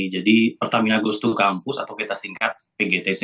jadi pertamina goes to campus atau kita singkat pgtc